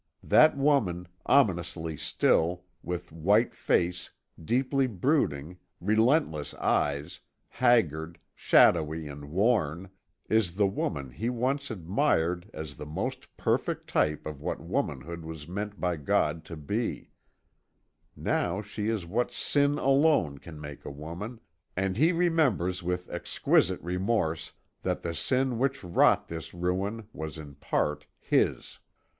That woman, ominously still, with white face, deeply brooding, relentless eyes, haggard, shadowy and worn, is the woman he once admired as the most perfect type of what womanhood was meant by God to be; now she is what sin alone can make a woman, and he remembers with exquisite remorse that the sin which wrought this ruin was in part his.